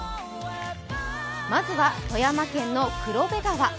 まずは富山県の黒部川。